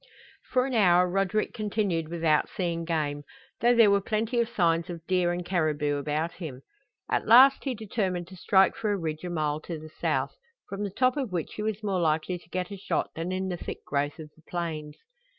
For an hour Roderick continued without seeing game, though there were plenty of signs of deer and caribou about him. At last he determined to strike for a ridge a mile to the south, from the top of which he was more likely to get a shot than in the thick growth of the plains.